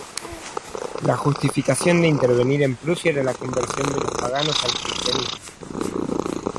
La justificación de intervenir en Prusia era la conversión de los paganos al Cristianismo.